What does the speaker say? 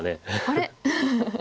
あれ？